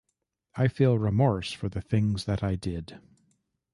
I feel remorse for the things that I did.